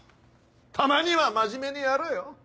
たまには真面目にやれよ！